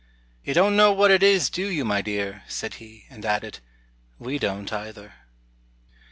'You don't know what it is, do you, my dear?' said he, and added, 'We don't, either.'"